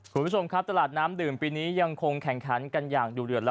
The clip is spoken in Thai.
คุณผู้ชมครับตลาดน้ำดื่มปีนี้ยังคงแข่งขันกันอย่างดูเดือดแล้ว